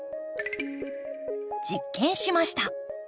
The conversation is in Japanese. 実験しました。